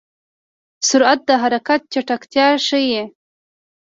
سرعت د حرکت چټکتیا ښيي.